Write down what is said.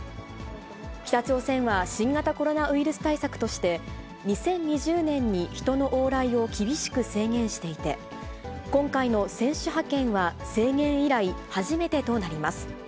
北朝鮮は新型コロナウイルス対策として、２０２０年に人の往来を厳しく制限していて、今回の選手派遣は、制限以来、初めてとなります。